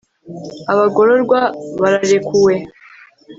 abagororwa bararekuwe